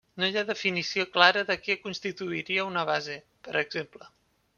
No hi ha definició clara de què constituiria una base, per exemple.